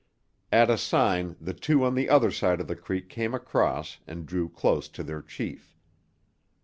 At a sign the two on the other side of the creek came across and drew close to their chief.